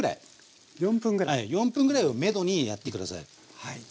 ４分ぐらいをめどにやって下さい。